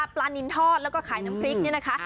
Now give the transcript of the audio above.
ปลานินทอดแล้วก็ขายน้ำพริกนี่นะคะ